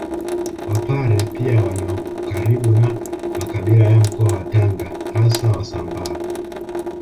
Wapare pia wana ukaribu na makabila ya mkoa wa Tanga hasa Wasambaa